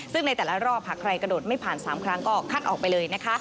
ซึ่งในแต่ละรอบหากใครกระโดดไม่ผ่าน๓ครั้งก็คัดออกไปเลยนะคะ